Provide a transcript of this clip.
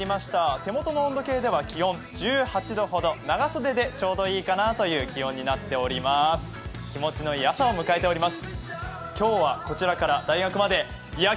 手元の温度計では気温１８度ほど、長袖でちょうどいいかなという気温になっております。